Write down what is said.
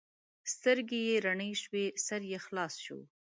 سترګې یې رڼې شوې؛ سر یې خلاص شو.